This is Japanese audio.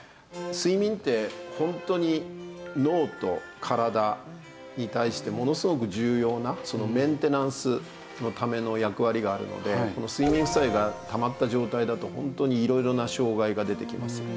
睡眠ってホントに脳と体に対してものすごく重要なメンテナンスのための役割があるので睡眠負債がたまった状態だとホントに色々な障害が出てきます。